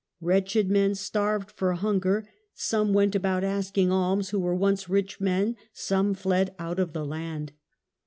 Wretched men starved for hunger; some went about asking alms who were once rich men; some fled out of the land.